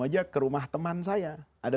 aja ke rumah teman saya ada